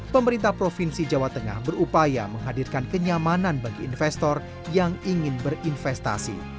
pemerintah provinsi jawa tengah berupaya menghadirkan kenyamanan bagi investor yang ingin berinvestasi